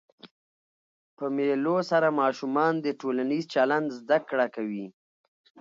په مېلو سره ماشومان د ټولنیز چلند زده کړه کوي.